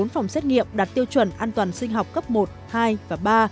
bốn trăm bốn mươi bốn phòng xét nghiệm đạt tiêu chuẩn an toàn sinh học cấp một hai và ba